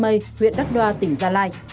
tây mây huyện đắk đoa tỉnh gia lai